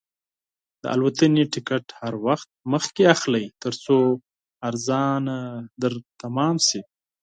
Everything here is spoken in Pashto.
د الوتنې ټکټ هر وخت مخکې اخلئ، ترڅو ارزان تمام شي.